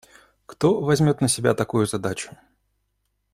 Кто возьмет на себя такую задачу?